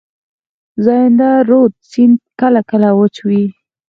زاینده رود سیند کله کله وچ وي.